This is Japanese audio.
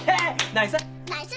ナイス。